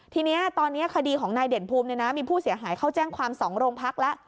ทีนี้ตอนนี้คดีของนายเด่นภูมิมีผู้เสียหายเข้าแจ้งความ๒โรงพักแล้ว